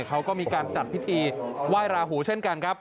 เขาก็มีการจัดพิธีไหว้ราหูเช่นกันครับ